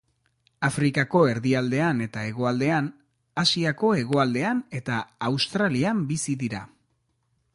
Afrikako erdialdean eta hegoaldean, Asiako hegoaldean eta Australian bizi dira.